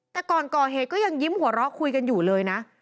แต่ก่อนก่อเหตุก็ยังยิ้มหัวเราะคุยกันอยู่เลยนะ